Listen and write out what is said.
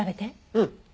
うん。